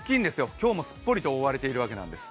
今日もすっぽりと覆われているわけなんです。